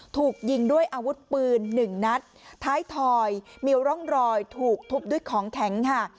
ถูกยิงด้วยอาวุธปืนหนึ่งนัดท้ายทอยมีร่องรอยถูกทุบด้วยของแข็งค่ะ